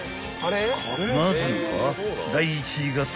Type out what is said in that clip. ［まずは］